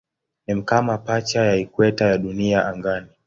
Ni kama pacha ya ikweta ya Dunia angani.